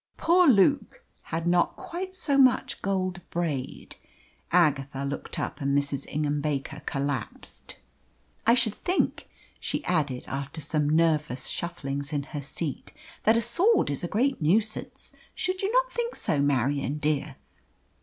"Poor Luke had not quite so much gold braid " Agatha looked up, and Mrs. Ingham Baker collapsed. "I should think," she added, after some nervous shufflings in her seat, "that a sword is a great nuisance. Should you not think so, Marion dear?"